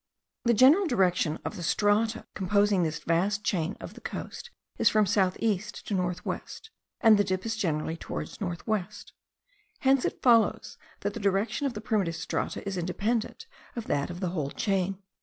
The general direction of the strata composing this vast chain of the coast is from south east to north west; and the dip is generally towards north west: hence it follows, that the direction of the primitive strata is independent of that of the whole chain.